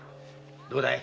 どうだい？